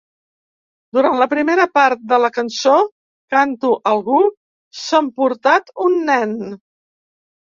Durant la primera part de la cançó, canto "algú s'ha emportat un nen".